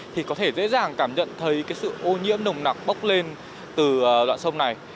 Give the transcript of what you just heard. thì có thể dễ dàng cảm nhận thấy cái sự ô nhiễm nồng nặc bốc lên từ đoạn sông này